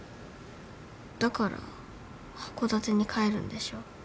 だから函館に帰るんでしょ？